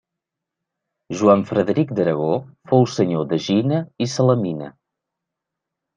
Joan Frederic d'Aragó fou senyor d'Egina i Salamina.